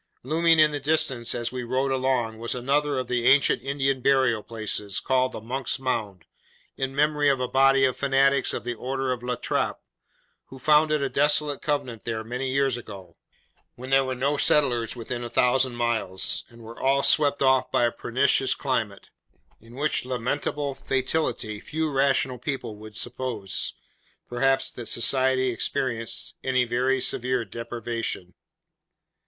Looming in the distance, as we rode along, was another of the ancient Indian burial places, called The Monks' Mound; in memory of a body of fanatics of the order of La Trappe, who founded a desolate convent there, many years ago, when there were no settlers within a thousand miles, and were all swept off by the pernicious climate: in which lamentable fatality, few rational people will suppose, perhaps, that society experienced any very severe deprivation.